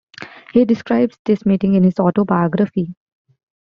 He describes this meeting in his autobiography.